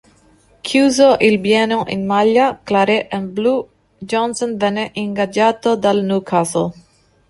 Chiuso il biennio in maglia "claret and blue", Johnsen venne ingaggiato dal Newcastle.